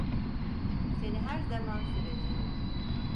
Seni her zaman seveceğim.